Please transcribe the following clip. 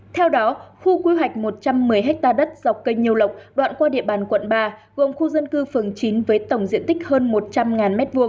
theo đó khu quy hoạch một trăm một mươi ha đất dọc kênh nhiêu lộc đoạn qua địa bàn quận ba gồm khu dân cư phường chín với tổng diện tích hơn một trăm linh m hai